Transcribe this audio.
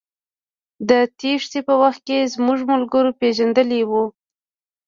د تېښتې په وخت زموږ ملګرو پېژندلى و.